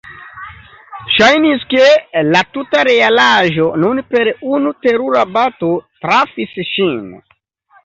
Ŝajnis, ke la tuta realaĵo nun per unu terura bato trafis ŝin.